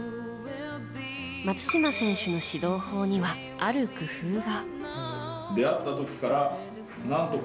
松島選手の指導法にはある工夫が。